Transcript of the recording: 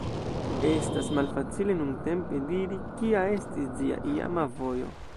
Estas malfacile nuntempe diri, kia estis ĝia iama vojo.